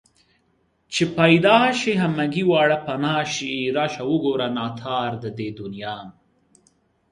چې پيدا شي همگي واړه پنا شي راشه وگوره ناتار د دې دنيا